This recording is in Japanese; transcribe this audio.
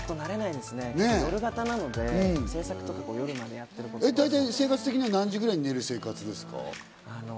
ちょっと慣れ生活的には何時ぐらいに寝る生活ですか？